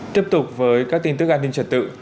tiếp tục với các tin tức an ninh trật tự